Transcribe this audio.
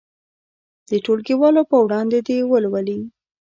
د ټولګیوالو په وړاندې دې ولولي.